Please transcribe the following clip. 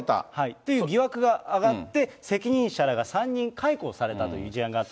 という疑惑が上がって、責任者らが３人解雇されたという事案